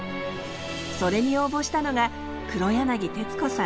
それに応募したのが黒柳徹子さん。